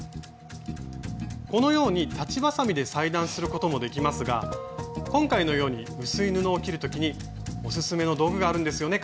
このように裁ちばさみで裁断することもできますが今回のように薄い布を切る時にオススメの道具があるんですよね